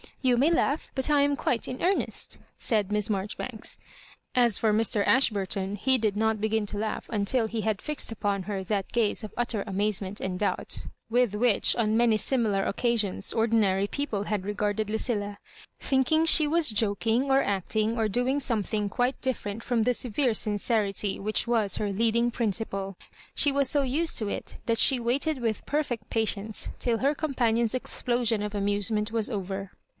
Tou may laugh, but I am quite in ear nest," said Miss Maijoribanks. As for Mr. Ash burton, he did not begin to laugh until he had fixed upon her that gaze of utter amazement and doubt with which on many similar occasions orxlinary people had regarded Lucilla — thinking she was joking, or acting, or doing something quite different from the severe sincerity which was her leading principle. She was so used to it, that she waited with perfect patience till her companion's explosion of amusement was over.